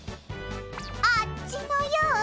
あっちのような。